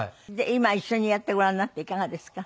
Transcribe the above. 今一緒にやってごらんになっていかがですか？